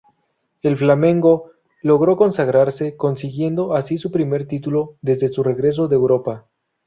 El Flamengo logró consagrarse, consiguiendo así su primer título desde su regreso de Europa.